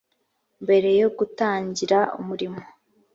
mbere yo gutangira umurimo